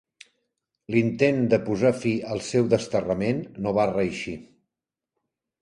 L'intent de posar fi al seu desterrament no va reeixir.